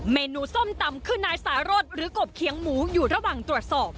เมนูส้มตำคือนายสารสหรือกบเคียงหมูอยู่ระหว่างตรวจสอบ